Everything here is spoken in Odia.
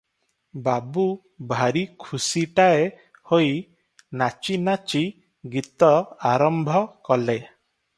ବାବୁ ଭାରି ଖୁସିଟାଏ ହୋଇ ନାଚି ନାଚି ଗୀତ ଆରମ୍ଭ କଲେ ।